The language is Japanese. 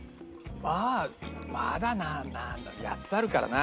まあまだな８つあるからな。